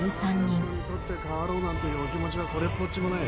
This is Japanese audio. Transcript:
取って代わろうなんていうお気持ちはこれっぽっちもない。